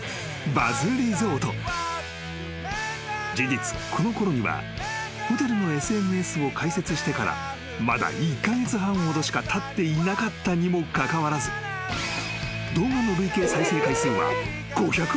［事実このころにはホテルのＳＮＳを開設してからまだ１カ月半ほどしかたっていなかったにもかかわらず動画の累計再生回数は５００万回を記録］